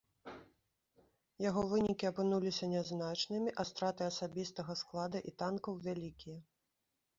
Яго вынікі апынуліся нязначнымі, а страты асабістага склада і танкаў вялікія.